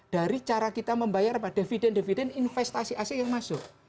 dari cara kita membayar pada dividen dividen investasi asing yang masuk